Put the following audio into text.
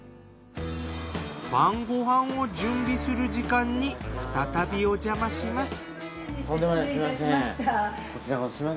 晩ご飯を準備する時間に再びおじゃまします。